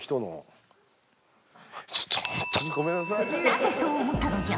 なぜそう思ったのじゃ？